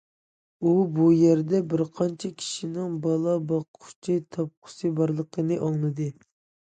ئۇ بۇ يەردە بىر قانچە كىشىنىڭ بالا باققۇچى تاپقۇسى بارلىقىنى ئاڭلىدى.